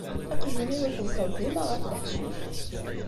Aqjun-iw iteẓẓel dima ɣef leḥcic.